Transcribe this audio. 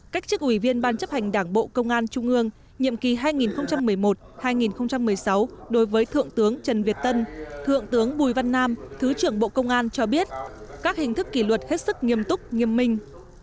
cách chức ủy viên ban chấp hành đảng bộ công an trung ương nhiệm kỳ hai nghìn một mươi một hai nghìn một mươi sáu đối với thượng tướng bùi văn nam cho biết các hình thức kỷ luật hết sức nghiêm túc nghiêm minh